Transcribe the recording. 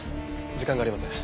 時間がありません。